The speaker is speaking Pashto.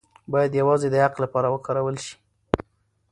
باید یوازې د حق لپاره وکارول شي.